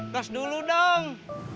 dos dulu dong